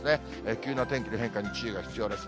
急な天気の変化に注意が必要です。